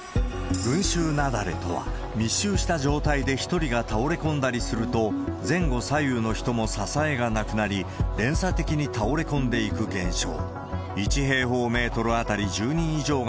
群衆雪崩とは、密集した状態で１人が倒れ込んだりすると、前後左右の人も支えがなくなり、連鎖的に倒れ込んでいく現象。